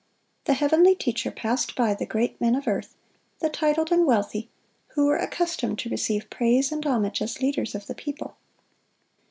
The heavenly Teacher passed by the great men of earth, the titled and wealthy, who were accustomed to receive praise and homage as leaders of the people.